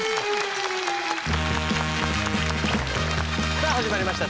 さあ始まりました